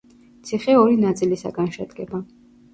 ციხე ორი ნაწილისაგან შედგება.